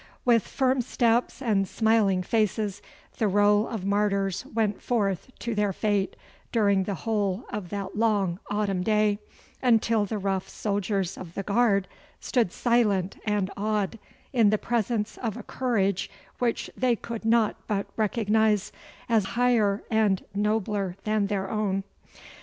With firm steps and smiling faces the roll of martyrs went forth to their fate during the whole of that long autumn day, until the rough soldiers of the guard stood silent and awed in the presence of a courage which they could not but recognise as higher and nobler than their own.